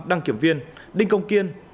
đăng kiểm viên đinh công kiên